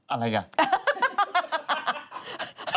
อะไรกะ